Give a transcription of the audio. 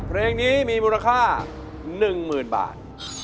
เพลงนี้มีมูลค่า๑๐๐๐บาท